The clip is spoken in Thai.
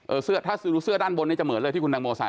เออเสื้อถ้าดูเสื้อด้านบนเนี้ยจะเหมือนเลยที่คุณแตงโมใส่